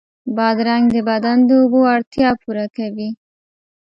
بادرنګ د بدن د اوبو اړتیا پوره کوي.